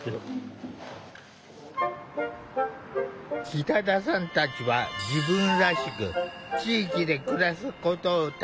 北田さんたちは自分らしく地域で暮らすことを大切にしている。